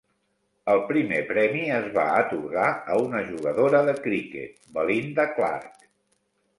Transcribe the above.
El primer premi es va atorgar a una jugadora de criquet, Belinda Clark.